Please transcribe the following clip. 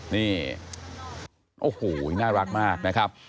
นี่โอ้โหน่ารักมากนะครับ